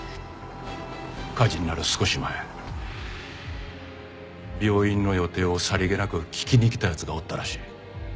火事になる少し前病院の予定をさりげなく聞きに来た奴がおったらしい。